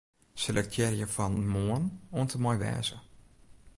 Selektearje fan 'Moarn' oant en mei 'wêze'.